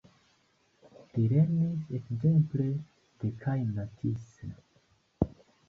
Li lernis ekzemple de kaj Matisse.